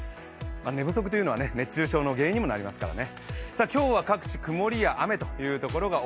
寝不足というのは熱中症の原因にもなりますからね。